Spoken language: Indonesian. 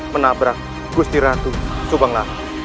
menabrak gusti ratu subanglar